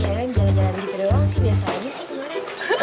saya kan jalan jalan gitu doang sih biasa aja sih kemarin